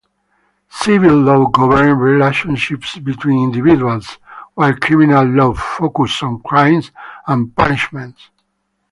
Civil law governs relationships between individuals, while criminal law focuses on crimes and punishments.